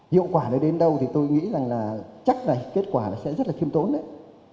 hiệu quả nó đến đâu thì tôi nghĩ rằng là chắc này kết quả nó sẽ rất là khiêm tốn đấy